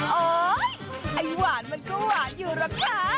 โอ๊ยไอ้หวานมันก็หวานอยู่ล่ะคะ